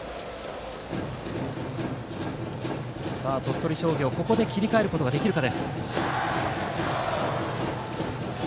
鳥取商業はここで切り替えることができるか。